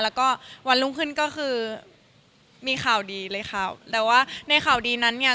แล้วก็วันรุ่งขึ้นก็คือมีข่าวดีเลยค่ะแต่ว่าในข่าวดีนั้นเนี่ย